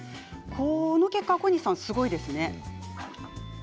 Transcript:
この結果、小西さんすごいですね。